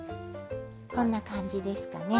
こんな感じですかね。